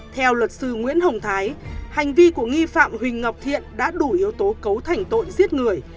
theo luật sư nguyễn hồng thái hành vi của nghi phạm huỳnh ngọc thiện đã đủ yếu tố cấu thành tội giết người